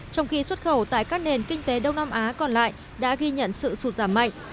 trong khi xuất khẩu tại các nền kinh tế đông nam á còn lại đã ghi nhận sự sụt giảm mạnh